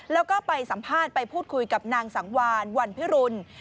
แล้วก็ไปสัมภาษณ์ไปพูดคุยกับนางสังวานวันพิรุณ